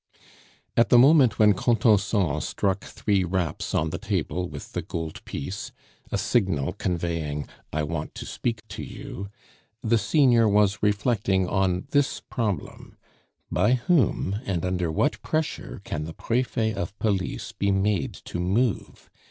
At the moment when Contenson struck three raps on the table with the gold piece, a signal conveying, "I want to speak to you," the senior was reflecting on this problem: "By whom, and under what pressure can the Prefet of Police be made to move?"